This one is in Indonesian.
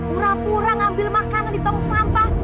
pura pura ngambil makanan di tong sampah